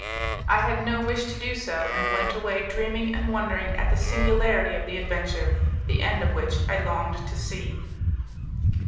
I had no wish to do so, and went away dreaming and wondering at the singularity of the adventure, the end of which I longed to see.